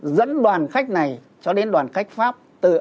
dẫn đoàn khách này cho đến đoàn khách pháp